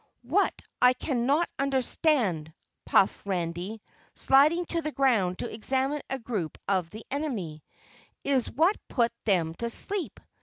"What I cannot understand," puffed Randy, sliding to the ground to examine a group of the enemy, "is what put them to sleep?